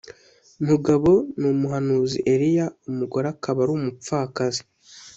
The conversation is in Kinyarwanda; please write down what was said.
mugabo ni umuhanuzi eliya umugore akaba ari umupfakazi